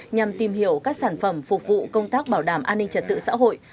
nhằm tìm hiểu các sản phẩm phục vụ công tác bảo đảm an ninh trật tự xã hội